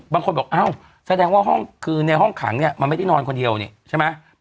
บางคนบอกอ้าวแสดงว่าห้องคือในห้องขังเนี่ยมันไม่ได้นอนคนเดียวนี่ใช่ไหม